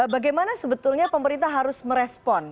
bagaimana sebetulnya pemerintah harus merespon